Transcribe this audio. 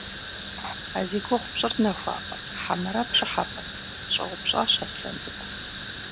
- А зи гугъу пщӏыр нэхуапӏэт хьэмэрэ пщӏыхьэпӏэт? – щӏэупщӏащ Аслъэн цӏыкӏу.